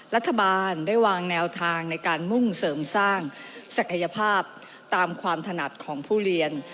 รัฐบาลได้วางแนวทางในการมุ่งเสริมสร้างศักยภาพตามความถนัดของผู้เรียน